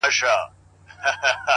دده مخ د نمکينو اوبو ډنډ سي;